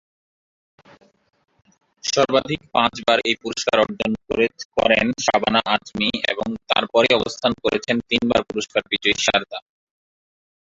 সর্বাধিক পাঁচবার এই পুরস্কার অর্জন করেন শাবানা আজমি এবং তার পরই অবস্থান করছেন তিনবার পুরস্কার বিজয়ী শারদা।